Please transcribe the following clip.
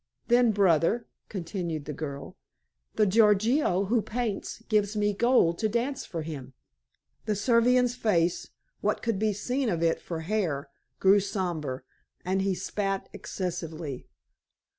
"Then, brother," continued the girl, "the Gorgio who paints gives me gold to dance for him." The Servian's face what could be seen of it for hair grew sombre, and he spat excessively.